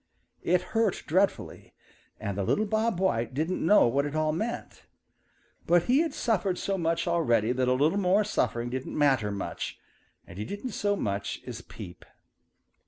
It hurt dreadfully, and the little Bob White didn't know what it all meant. But he had suffered so much already that a little more suffering didn't matter much, and he didn't so much as peep.